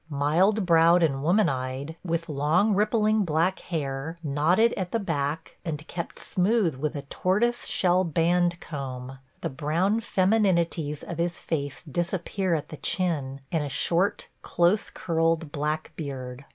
Mild browed and woman eyed, with long, rippling black hair knotted at the back and kept smooth with a tortoise shell band comb, the brown femininities of his face disappear at the chin in a short close curled black beard.